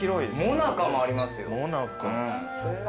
もなかもありますよ。